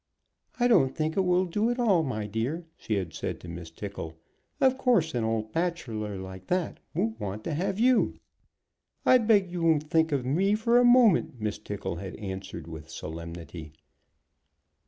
"I don't think it will do at all, my dear," she had said to Miss Tickle. "Of course an old bachelor like that won't want to have you." "I beg you won't think of me for a moment," Miss Tickle had answered, with solemnity.